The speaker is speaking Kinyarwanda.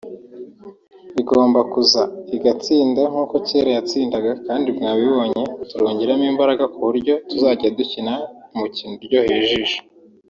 Igomba kuza igatsinda nk’uko kera yatsindaga kandi mwabibonye turongeramo imbaraga ku buryo tuzajya dukina umukino uryoheye ijisho